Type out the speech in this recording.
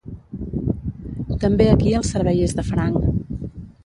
També aquí el servei és de franc.